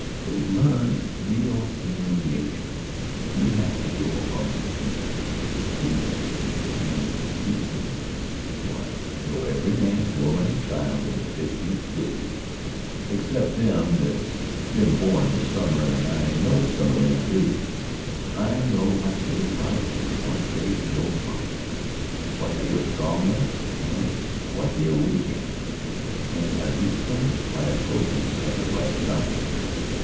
To learn real human nature you have to go among the people, see them and be seen..1 know every man, woman, and child in the Fifteenth District, except them that's been born this summer and I know some of them, too. I know what they like and what they don't like, what they are strong at and what they are weak in, and I reach them by approachin' at the right side.